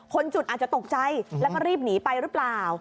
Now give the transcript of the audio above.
คนจุดอาจจะตกใจแล้วก็รีบหนีไปหรือเปล่า